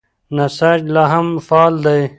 نسج لا هم فعال دی.